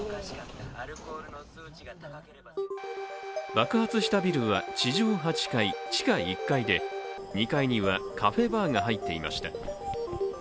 爆発したビルは地上８階地下１階で２階にはカフェバーが入っていました。